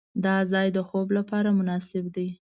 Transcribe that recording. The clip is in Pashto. دا ځای د خوب لپاره مناسب دی.